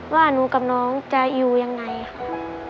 ว่าหนูกับน้องจะอยู่ยังไงค่ะ